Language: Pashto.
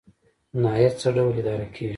ناحیه څه ډول اداره کیږي؟